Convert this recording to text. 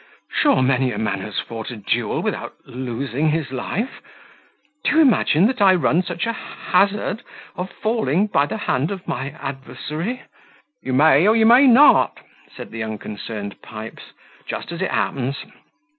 Sure many a man has fought a duel without losing his life. Do you imagine that I run such a hazard of falling by the hand of my adversary?" "You may or you may not," said the unconcerned Pipes, "just as it happens.